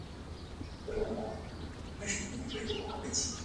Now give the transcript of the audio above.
符坚角壳灰介为半花介科角壳灰介属下的一个种。